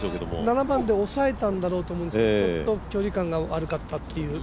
７番で押さえたんだろうと思うんですけどちょっと距離感が悪かったっていう。